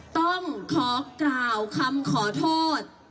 ต้องขอกล่าวคำขอโทษ